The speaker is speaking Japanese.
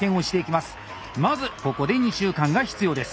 まずここで２週間が必要です。